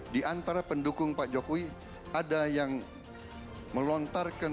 di antara pendukung pak jokowi ada yang melontarkan